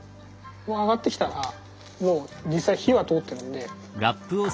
もう上がってきたらもう実際火は通ってるんで。